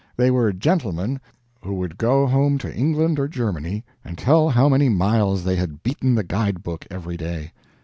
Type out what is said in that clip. They were gentlemen who would go home to England or Germany and tell how many miles they had beaten the guide book every day.